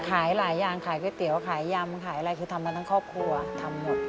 ขายหลายอย่างขายก๋วยเตี๋ยวขายยำขายอะไรคือทำมาทั้งครอบครัวทำหมด